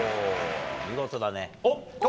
見事だね。